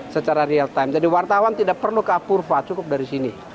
secara real time jadi wartawan tidak perlu ke apurva cukup dari sini